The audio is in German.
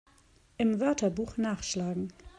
Im Wörterbuch nachschlagen!